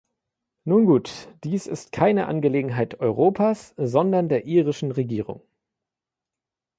Nun gut, dies ist keine Angelegenheit Europas, sondern der irischen Regierung.